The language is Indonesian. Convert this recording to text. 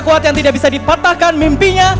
kuat yang tidak bisa dipatahkan mimpinya